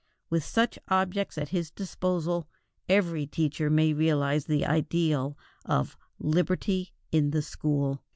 With such objects at his disposal, every teacher may realize the ideal of liberty in the school.